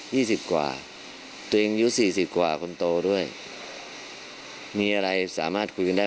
สิบกว่าตัวเองอายุสี่สิบกว่าคนโตด้วยมีอะไรสามารถคุยกันได้